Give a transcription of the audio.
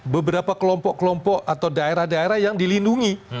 beberapa kelompok kelompok atau daerah daerah yang dilindungi